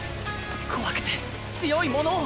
怖くて強いものを！